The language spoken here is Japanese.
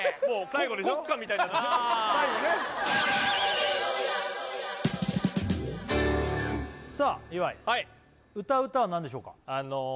最後ねさあ岩井歌う歌は何でしょうか？